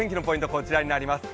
こちらになります。